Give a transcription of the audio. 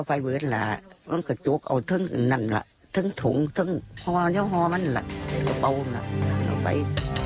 ไฟเว้นล่ะถึงถุงห้อมันปัวมันทำไป